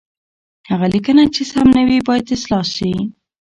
هغه لیکنه چې سم نه وي، باید اصلاح شي.